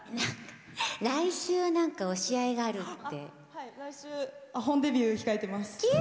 来週、お試合があるって。